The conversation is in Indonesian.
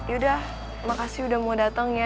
ya udah makasih udah mau datang ya